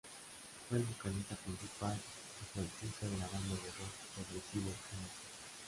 Fue el vocalista principal y flautista de la banda de rock progresivo Genesis.